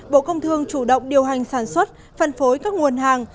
bộ công thương chủ động điều hành sản xuất phân phối các nguồn hàng